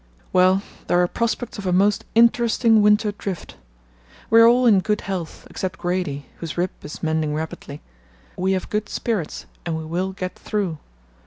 Well, there are prospects of a most interesting winter drift. We are all in good health, except Grady, whose rib is mending rapidly; we have good spirits and we will get through.